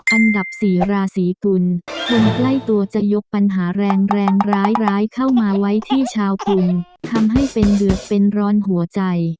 อันดับสี่ราศีกุลคนใกล้ตัวจะยกปัญหาแรงแรงร้ายเข้ามาไว้ที่ชาวกรุงทำให้เป็นเดือดเป็นร้อนหัวใจ